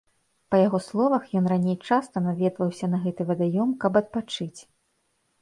Па яго словах ён раней часта наведваўся на гэты вадаём, каб адпачыць.